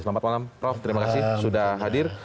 selamat malam prof terima kasih sudah hadir